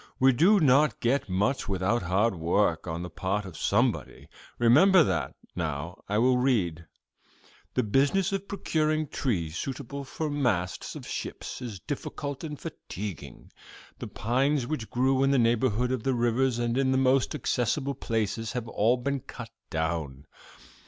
We do not get much without hard work on the part of somebody: remember that. Now I will read: "'The business of procuring trees suitable for masts of ships is difficult and fatiguing. The pines which grew in the neighborhood of the rivers and in the most accessible places have all been cut down.